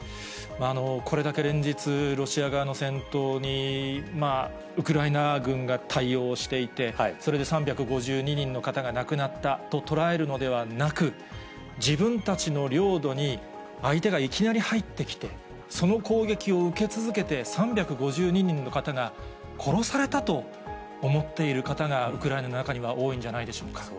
これだけ連日、ロシア側の戦闘にウクライナ軍が対応していて、それで３５２人の方が亡くなったと捉えるのではなく、自分たちの領土に、相手がいきなり入ってきて、その攻撃を受け続けて、３５２人の方が殺されたと思っている方が、ウクライナの中には多いんじゃないでしょうか。